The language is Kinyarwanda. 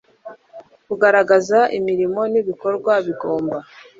kugaragaza imirimo n ibikorwa bigomba